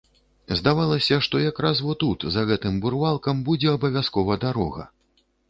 Здавалася, што якраз во тут, за гэтым бурвалкам, будзе абавязкова дарога.